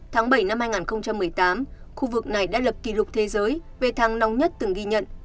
tháng bảy năm hai nghìn một mươi tám khu vực này đã lập kỷ lục thế giới về tháng nóng nhất từng ghi nhận